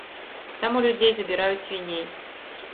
Там у людзей забіраюць свіней.